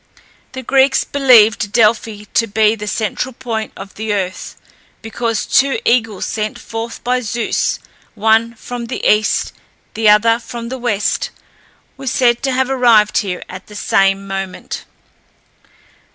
The Greeks believed Delphi to be the central point of the earth, because two eagles sent forth by Zeus, one from the east, the other from the west, were said to have arrived there at the same moment.